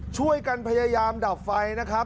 ช่วยกันพยายามดับไฟนะครับ